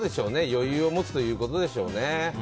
余裕を持つということでしょうね。